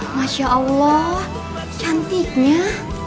masya allah cantiknya